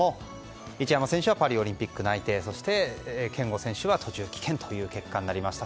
一山選手はパリオリンピック内定そして、健吾選手は途中棄権という結果になりました。